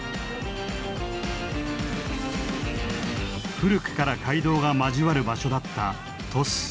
古くから街道が交わる場所だった鳥栖。